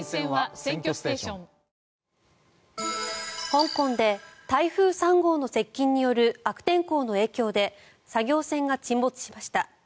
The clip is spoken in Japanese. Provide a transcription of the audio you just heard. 香港で台風３号の接近による悪天候の影響で作業船が沈没しました。